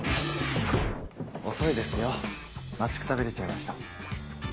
遅いですよ待ちくたびれちゃいました。